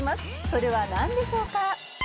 「それはなんでしょうか？」